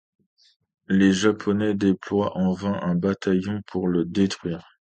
Les Japonais déploient en vain un bataillon pour le détruire.